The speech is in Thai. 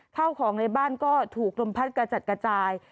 ข้าวของในบ้านก็ถูกลมพัดกระจัดกระจาย